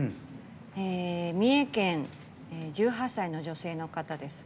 三重県、１８歳の女性の方です。